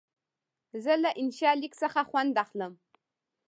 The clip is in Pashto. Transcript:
زه له انشا لیک څخه خوند اخلم.